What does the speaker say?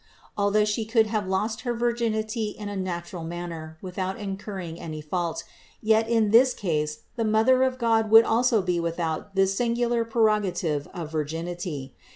Although She could have lost her virginity in a natural manner without incurring any fault, yet in that case the Mother of God would also be without this singular pre rogative of virginity.